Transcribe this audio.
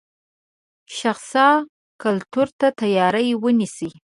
شخصا کتلو ته تیاری ونیسي.